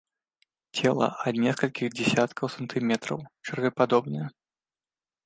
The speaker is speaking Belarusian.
Цела ад некалькіх дзесяткаў сантыметраў, чэрвепадобнае.